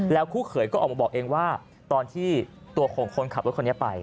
คู่เขยก็ออกมาบอกเองว่าตอนที่ตัวของคนขับรถคนนี้ไป